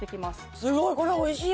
すごいこれおいしいよ。